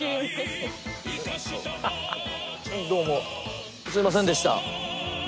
どうもすいませんでした。